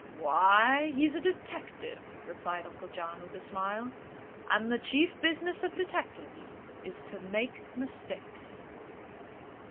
"Why, he's a detective," replied Uncle John, with a smile, "and the chief business of detectives is to make mistakes."